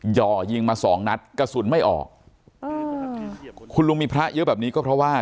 ่อยิงมาสองนัดกระสุนไม่ออกอืมคุณลุงมีพระเยอะแบบนี้ก็เพราะว่า